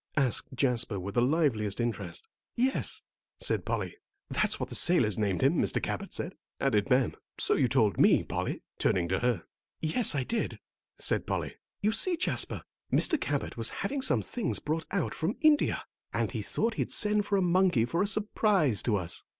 asked Jasper, with the liveliest interest. "Yes," said Polly. "That's what the sailors named him, Mr. Cabot said," added Ben, "so you told me, Polly," turning to her. "Yes, I did," said Polly. "You see, Jasper, Mr. Cabot was having some things brought out from India, and he thought he'd send for a monkey for a surprise to us.